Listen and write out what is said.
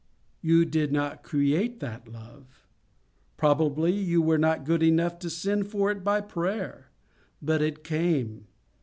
You did not create that love. Probably you were not good enough to send for it by prayer. But it came.